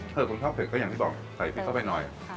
เผื่อคนชอบเผ็ดก็อย่างที่บอกใส่พริกเข้าไปหน่อยอ่ะค่ะ